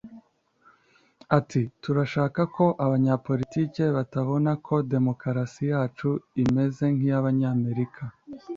Ati “Turashaka ko n’abanyapolitiki batabona ko demokarasi yacu imeze nk’iy’abanyamerika